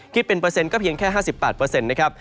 คิดเป็นเปอร์เซ็นต์ก็เพียงแค่๕๘เปอร์เซ็นต์นะครับ